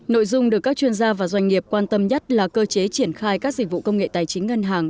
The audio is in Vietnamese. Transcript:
nội dung được các chuyên gia và doanh nghiệp quan tâm nhất là cơ chế triển khai các dịch vụ công nghệ tài chính ngân hàng